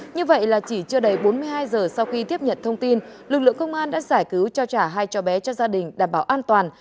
như vậy là chỉ chưa đầy bốn mươi hai giờ sau khi tiếp nhận thông tin lực lượng công an đã giải cứu cho trả hai cho bé cho gia đình đảm bảo an toàn